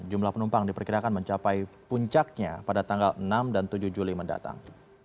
jumlah penumpang diperkirakan mencapai puncaknya pada tanggal enam dan tujuh juli mendatang